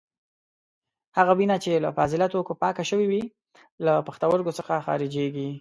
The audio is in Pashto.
هغه وینه چې له فاضله توکو پاکه شوې وي له پښتورګو څخه خارجېږي.